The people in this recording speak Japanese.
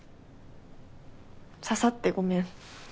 刺さってごめん。